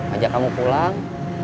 ajak kamu pulang